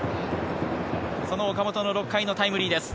その岡本の６回のタイムリーです。